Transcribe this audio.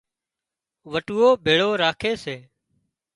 وٽُوئو ڀيۯو راکي سي